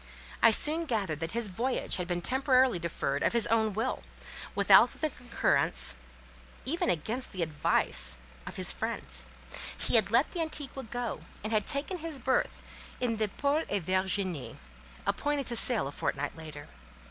I soon gathered that his voyage had been temporarily deferred of his own will, without the concurrence, even against the advice, of his friends; he had let the Antigua go, and had taken his berth in the Paul et Virginie, appointed to sail a fortnight later.